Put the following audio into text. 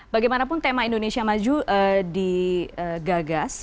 bagaimanapun tema indonesia maju digagas